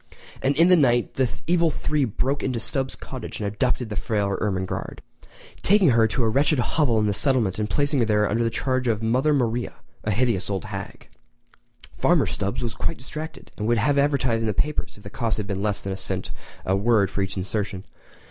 And in the night the evil three broke into the Stubbs cottage and abducted the fair Ermengarde, taking her to a wretched hovel in the settlement and placing her under the charge of Mother Maria, a hideous old hag. Farmer Stubbs was quite distracted, and would have advertised in the papers if the cost had been less than a cent a word for each insertion.